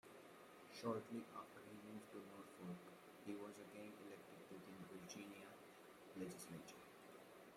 Shortly after he moved to Norfolk, he was again elected to the Virginia legislature.